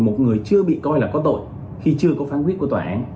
một người chưa bị coi là có tội khi chưa có phán quyết của tòa án